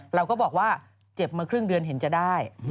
เราก็บอกว่าเจ็บมาครึ่งเดือนเห็นจะได้